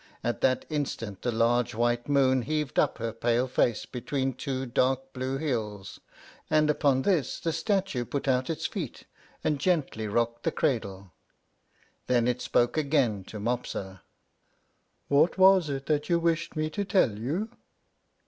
At that instant the large white moon heaved up her pale face between two dark blue hills, and upon this the statue put out its feet and gently rocked the cradle. Then it spoke again to Mopsa: "What was it that you wished me to tell you?"